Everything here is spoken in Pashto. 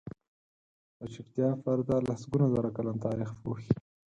د چوپتیا پرده لسګونه زره کلن تاریخ پوښي.